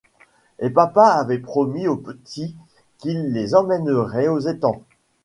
Et Papa avait promis aux petits qu’il les emmènerait aux étangs.